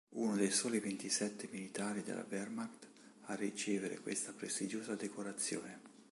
Uno dei soli ventisette militari della Wehrmacht a ricevere questa prestigiosa decorazione.